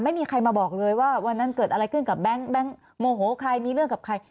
ไม่มีใครมาบอกเลยว่าวันนั้นเกิดอะไรขึ้นกับแบงค์โมโหใครมีเรื่องกับใคร